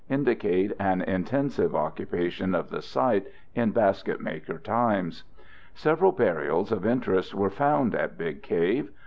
331 to 835 indicate an intensive occupation of the site in Basketmaker times. Several burials of interest were found at Big Cave.